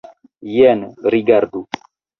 Jen rigardu!